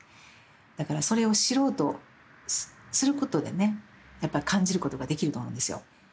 だからそれを知ろうとすることでねやっぱり感じることができると思うんですよ。